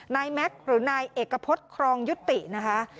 แม็กซ์หรือนายเอกพฤษครองยุตินะคะ